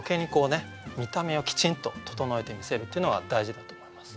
見た目をきちんと整えて見せるというのは大事だと思います。